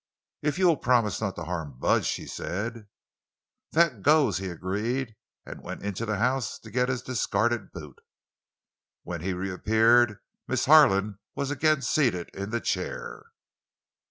"If you will promise not to harm Bud," she said. "That goes," he agreed, and went into the house to get his discarded boot. When he reappeared, Miss Harlan was again seated in the chair.